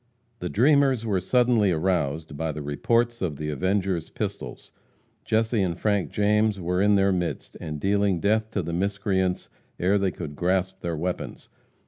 The dreamers were suddenly aroused by the reports of the avengers' pistols. Jesse and Frank James were in their midst, and dealing death to the miscreants ere they could grasp their weapons.